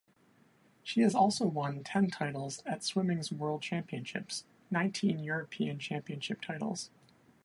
She has also won ten titles at swimming's world championships, nineteen European championship titles.